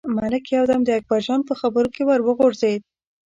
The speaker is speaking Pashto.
ملک یو دم د اکبرجان په خبرو کې ور وغورځېد.